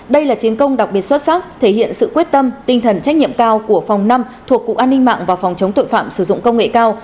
đây là chiến công đặc biệt xuất sắc thể hiện sự quyết tâm tinh thần trách nhiệm cao của phòng năm thuộc cục an ninh mạng và phòng chống tội phạm sử dụng công nghệ cao